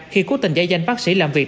khi cố tình giải danh bác sĩ làm việc